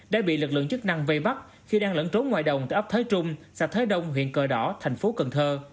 đã bị lực lượng chức năng vây bắt khi đang lẫn trốn ngoài đồng tại ấp thái trung xã thái đông huyện cờ đỏ tp cn